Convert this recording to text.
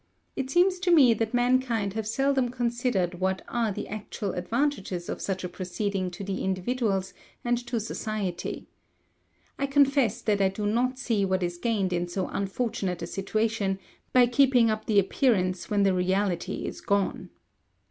It seems to me that mankind have seldom considered what are the actual advantages of such a proceeding to the individuals and to society. I confess that I do not see what is gained in so unfortunate a situation, by keeping up the appearance when the reality is gone.